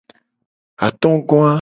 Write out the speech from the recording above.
Atogoa.